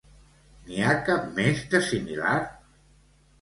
N'hi ha cap més de similar?